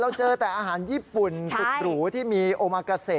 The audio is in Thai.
เจอแต่อาหารญี่ปุ่นสุดหรูที่มีโอมากาเซ